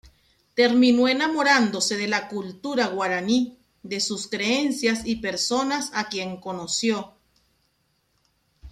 Terminó enamorándose de la cultura guaraní, de sus creencias y personas a quienes conoció.